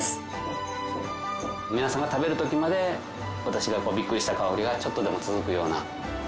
皆さんが食べる時まで私がびっくりした香りがちょっとでも続くような。